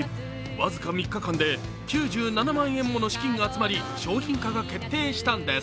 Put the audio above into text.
僅か３日間で９７万円もの資金が集まり、商品化が決定したんです。